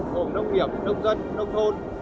gồm nông nghiệp nông dân nông thôn